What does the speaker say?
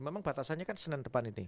memang batasannya kan senin depan ini